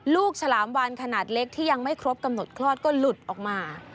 ฉลามวานขนาดเล็กที่ยังไม่ครบกำหนดคลอดก็หลุดออกมา